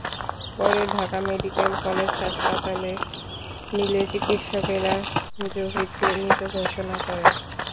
পরে Dhaka medical college হাসপাতালে নিলে চিকিৎসকেরা জহিরকে মৃত ঘোষণা করেন।